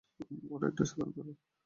এটা একটা সাধারণ ব্যাপার।